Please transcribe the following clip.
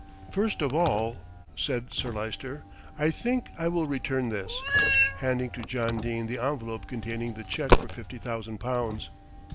"First of all," said Sir Lyster, "I think I will return this," handing to John Dene the envelope containing the cheque for fifty thousand pounds.